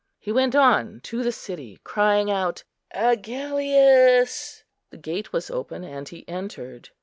He went on to the city, crying out "Agellius;" the gate was open, and he entered.